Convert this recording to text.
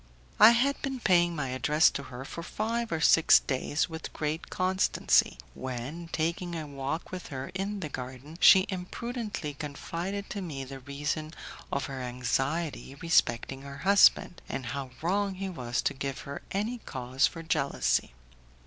I had been paying my address to her for five or six days with great constancy, when, taking a walk with her in the garden, she imprudently confided to me the reason of her anxiety respecting her husband, and how wrong he was to give her any cause for jealousy.